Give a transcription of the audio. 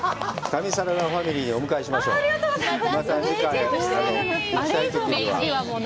旅サラダファミリーにお迎えしましょう。